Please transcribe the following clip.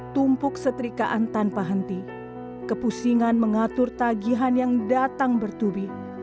tumpuk setrikaan tanpa henti kepusingan mengatur tagihan yang datang bertubi